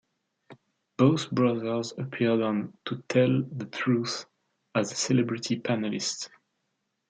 Both brothers appeared on "To Tell the Truth" as celebrity panelists.